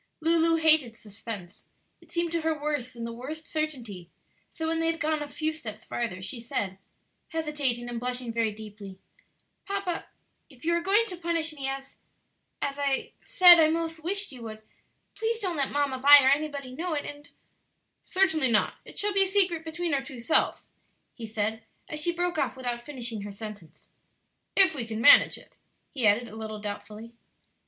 Lulu hated suspense; it seemed to her worse than the worst certainty; so when they had gone a few steps farther she said, hesitating and blushing very deeply, "Papa, if you are going to punish me as as I said I 'most wished you would, please don't let Mamma Vi or anybody know it, and " "Certainly not; it shall be a secret between our two selves," he said as she broke off without finishing her sentence; "if we can manage it," he added a little doubtfully.